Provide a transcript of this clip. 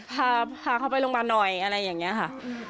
พาเขาไปโรงพยาบาลหน่อยอะไรอย่างนี้ค่ะ